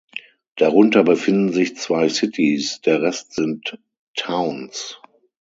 Darunter befinden sich zwei Cities, der Rest sind Towns.